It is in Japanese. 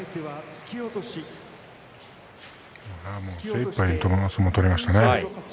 精いっぱい自分の相撲を取りましたね。